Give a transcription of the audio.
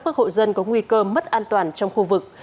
các hộ dân có nguy cơ mất an toàn trong khu vực